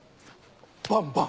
バンバン。